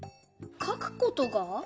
かくことが？